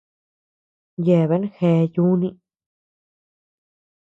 Yeabean gea yùni.